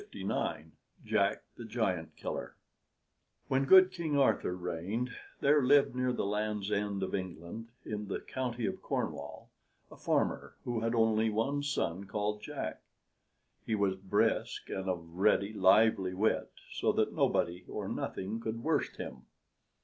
JACK THE GIANT KILLER ADAPTED BY JOSEPH JACOBS When good King Arthur reigned, there lived near the Land's End of England, in the county of Cornwall, a farmer who had one only son called Jack. He was brisk and of ready, lively wit, so that nobody or nothing could worst him.